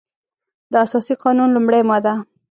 د اساسي قانون لمړۍ ماده